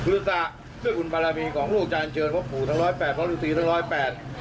ขึ้นอยู่กับความเชื่อนะฮะสุดท้ายเนี่ยทางครอบครัวก็เชื่อว่าป้าแดงก็ไปที่วัดแล้ว